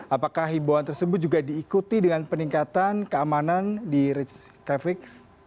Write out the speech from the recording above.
apakah himbauan tersebut juga diikuti dengan peningkatan keamanan di ritz kevic